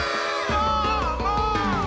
どーも！